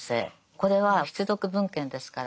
これは必読文献ですから。